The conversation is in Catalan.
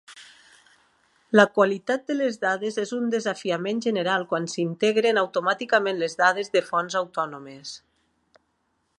La qualitat de les dades és un desafiament general quan s'integren automàticament les dades de fonts autònomes.